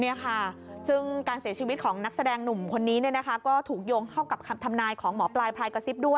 นี่ค่ะซึ่งการเสียชีวิตของนักแสดงหนุ่มคนนี้เนี่ยนะคะก็ถูกโยงเข้ากับคำทำนายของหมอปลายพลายกระซิบด้วย